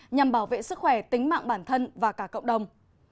nhằm bảo vệ sức khỏe tính mạng bản thân và cả cộng đồng